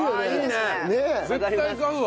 絶対買うわ。